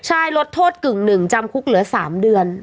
ใช่ลดโทษกึ่งหนึ่งจำคุกเหลือ๓เดือน